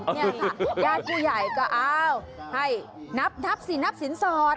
เนี่ยค่ะญาติผู้ใหญ่ก็เอาให้นับสินสอด